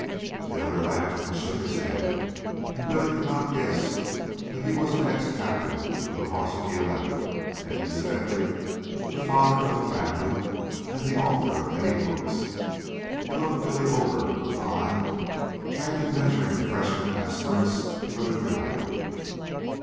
The other laughed and shook his head, and Billy could not guess that he was an ex captain of a 'Varsity Eleven, and incidentally the father of a family and the author of many books. He looked Billy over with an eye trained in measuring freshmen aspirants for the gridiron.